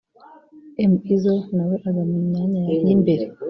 M-Izzo na we aza mu myanya y’imbere